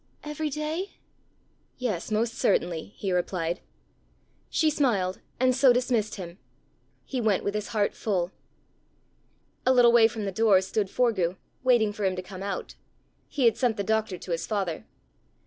"Every day?" "Yes, most certainly," he replied. She smiled, and so dismissed him. He went with his heart full. A little way from the door stood Forgue, waiting for him to come out. He had sent the doctor to his father.